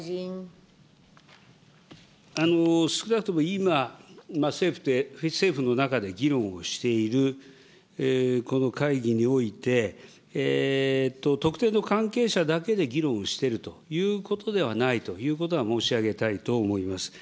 少なくとも今、政府の中で議論をしている、この会議において、特定の関係者だけで議論をしているということではないということは申し上げたいと思います。